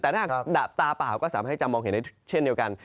แต่ถ้าหากดับตาเปล่าก็สามารถให้จะมองเห็นได้เช่นเดียวกัน